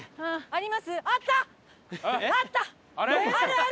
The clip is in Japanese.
あります？